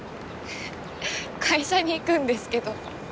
ふふっ会社に行くんですけど。